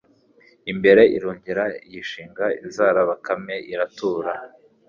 imbere irongera iyishinga inzara Bakame iratura